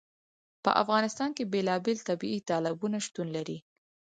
په افغانستان کې بېلابېل طبیعي تالابونه شتون لري.